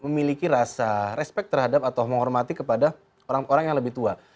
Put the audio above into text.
memiliki rasa respect terhadap atau menghormati kepada orang orang yang lebih tua